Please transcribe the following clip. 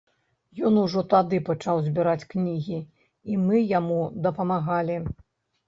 Ён ужо тады пачаў збіраць кнігі, і мы яму дапамагалі.